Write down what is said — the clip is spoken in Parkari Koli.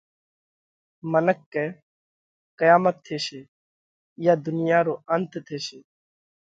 منک ڪئه: قيامت ٿيشي، اِيئا ڌُنيا رو انت ٿيشي۔